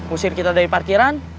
usir kita dari parkiran